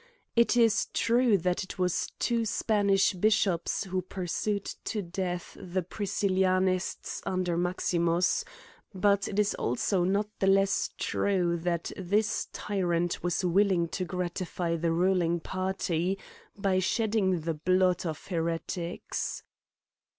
It is true, that it was two Spanish bishops who pursued to death the Priscillianists under Maximus ; but it is also not the less true, that ^his tyrant was willing to gratify the ruling party by shedding the blood of heretics.